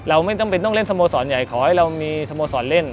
เราไม่ต้องเล่นสโมสรใหญ่ขอให้เรามีสโมสรเล่น